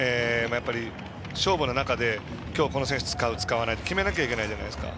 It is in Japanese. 勝負の中で、今日はこの選手を使う使わないって決めなきゃいけないじゃないですか。